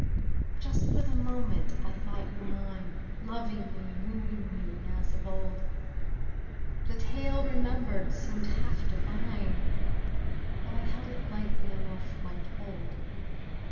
Just for the moment I thought you mine— Loving me, wooing me, as of old. The tale remembered seemed half divine— Though I held it lightly enough when told.